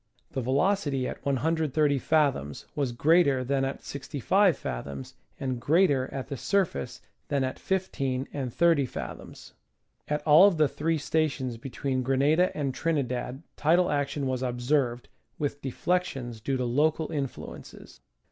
The velocity at 130 fath oms was greater than at 65 fathoms, and greater at the surface than at 15 and 30 fathoms. At all of the three stations between Grenada and Trinidad tidal action was observed, with deflections due to local influences.